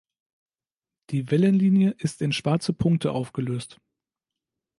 Die Wellenlinie ist in schwarze Punkte aufgelöst.